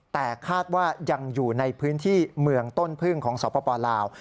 แต่คาดว่ายังอยู่ในพื้นที่เมืองต้นพึ่งของสปลาว